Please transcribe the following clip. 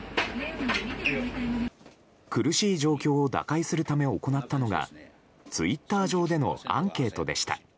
苦しい状況を打開するため行ったのがツイッター上でのアンケートでした。